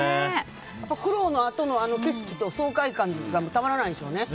苦労のあとの景色と爽快感がたまらないんでしょうね。